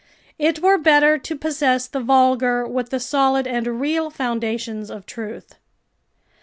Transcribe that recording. It were better to possess the vulgar with the solid and real foundations of truth.